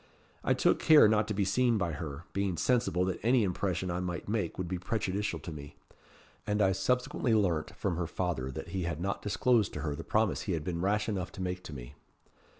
I took care not to be seen by her, being sensible that any impression I might make would be prejudicial to me; and I subsequently learnt from her father that he had not disclosed to her the promise he had been rash enough to make to me.